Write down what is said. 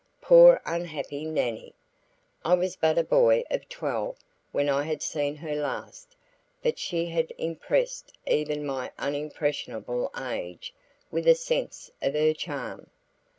Poor unhappy Nannie! I was but a boy of twelve when I had seen her last, but she had impressed even my unimpressionable age with a sense of her charm.